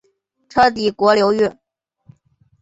车底国流域。